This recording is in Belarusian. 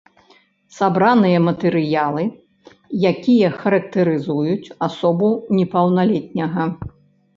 Сабраныя матэрыялы, якія характарызуюць асобу непаўналетняга.